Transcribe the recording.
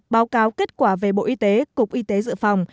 báo cáo kết quả về bộ y tế cục y tế dự phòng